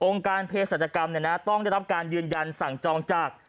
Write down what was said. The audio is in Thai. องค์การเพจสัจกรรมเนี่ยนะต้องได้รับการยืนยันสั่งจองจาก